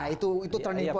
itu turning pointnya